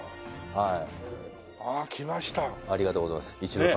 はい。